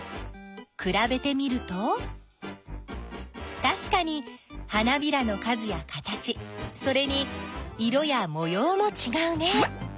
くらべてみるとたしかに花びらの数や形それに色やもようもちがうね。